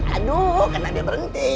aduh kenapa dia berhenti